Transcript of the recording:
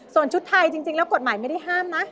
ส่วนชุดไทยจริงแล้วกฎหมายไม่ได้ห้ามนะ